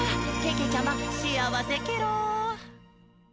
けけちゃま、しあわせケロ！」